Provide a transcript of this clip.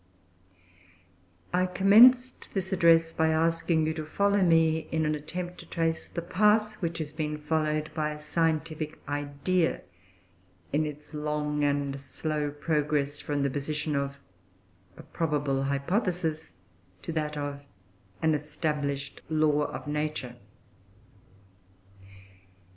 I commenced this Address by asking you to follow me in an attempt to trace the path which has been followed by a scientific idea, in its long and slow progress from the position of a probable hypothesis to that of an established law of nature.